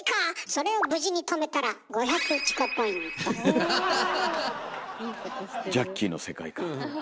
それを無事に止めたらジャッキーの世界観。